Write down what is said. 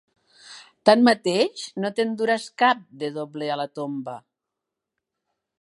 Tanmateix no te'n duràs cap, de dobler a la tomba!